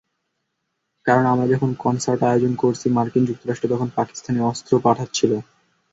কারণ, আমরা যখন কনসার্ট আয়োজন করছি, মার্কিন যুক্তরাষ্ট্র তখন পাকিস্তানে অস্ত্র পাঠাচ্ছিল।